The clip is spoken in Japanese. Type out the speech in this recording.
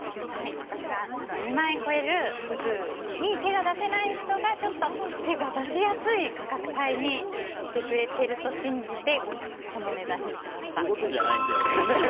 私は、２万円超えるフグに手が出せない人がちょっと手が出しやすい価格帯にしてくれてると信じてそういうことじゃないんだよ。